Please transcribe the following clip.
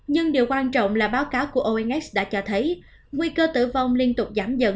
nhưng điều quan trọng là báo cáo của onx đã cho thấy nguy cơ tử vong liên tục giảm dần